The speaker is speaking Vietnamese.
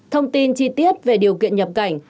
thông tin chi tiết về điều kiện nhập cảnh